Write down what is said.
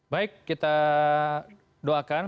baik kita doakan